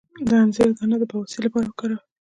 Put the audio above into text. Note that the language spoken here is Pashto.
د انځر دانه د بواسیر لپاره وکاروئ